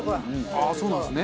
ああそうなんですね。